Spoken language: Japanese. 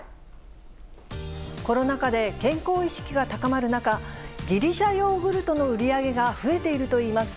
コロナ禍で健康意識が高まる中、ギリシャヨーグルトの売り上げが増えているといいます。